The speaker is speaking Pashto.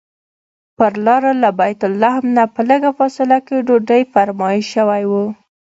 پر لاره له بیت لحم نه په لږه فاصله کې ډوډۍ فرمایش شوی و.